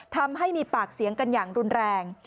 ทำให้มีปากเสียงกันอย่างรุนแรง